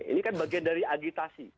ini kan bagian dari agitasi